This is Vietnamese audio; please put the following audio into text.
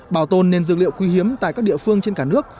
bảo tồn nền dược liệu quý hiếm tại các địa phương trên cả nước